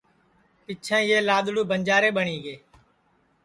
پیچھیں یہ لادڑوُ بنجارے ٻٹؔی گے